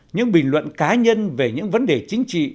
những bình luận cá nhân về những vấn đề chính trị